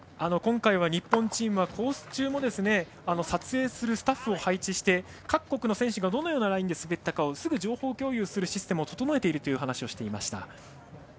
今回は日本チームはコース中も撮影するスタッフを配置して各国の選手がどのようなラインで滑ったかすぐ情報共有するシステムを整えているという話をしていました。